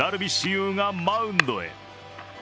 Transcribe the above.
有がマウンドへ。